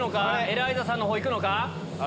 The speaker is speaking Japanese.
エライザさんのほう行くのか？